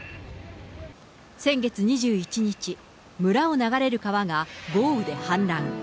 先月２１日、村を流れる川が豪雨で氾濫。